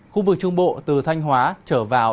khu vực trung bộ từ thanh hóa trở vào